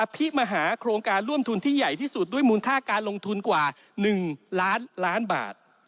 พิมหาโครงการร่วมทุนที่ใหญ่ที่สุดด้วยมูลค่าการลงทุนกว่า๑ล้านล้านบาท